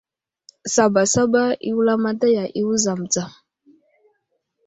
Sabasaba i wulamataya i wuzlam tsa.